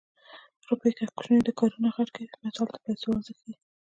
روپۍ که کوچنۍ ده کارونه غټ کوي متل د پیسو ارزښت ښيي